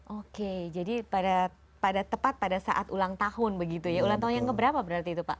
oke jadi pada tepat pada saat ulang tahun begitu ya ulang tahun yang keberapa berarti itu pak